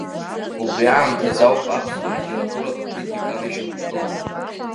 Убри аамҭазы ауп аԥсуа литературатә критика анышьақәгыла.